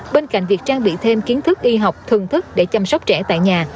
bên cạnh việc trang bị thêm kiến thức y học thưởng thức để chăm sóc trẻ tại nhà